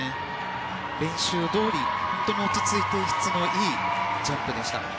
練習どおりとても落ち着いた質の良いジャンプでした。